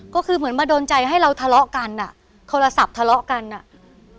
ก็คือเหมือนมาโดนใจให้เราทะเลาะกันอ่ะโทรศัพท์ทะเลาะกันอ่ะ